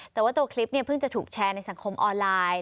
แต่ว่าตัวคลิปเนี่ยเพิ่งจะถูกแชร์ในสังคมออนไลน์